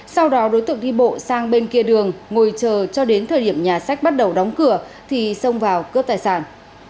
sau đó đối tượng đi bộ sang bên kia đường ngồi chờ cho đến thời điểm nhà sách bắt đầu đóng cửa thì xông vào cướp tài sản